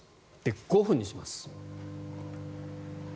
５分にします。